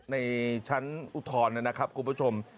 ในชั้นอุทธรณ์นะครับคุณผู้ชม